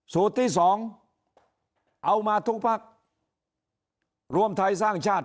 สูตรที่สองเอามาทุกพักรวมไทยสร้างชาติ